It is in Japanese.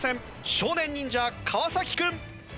少年忍者川君。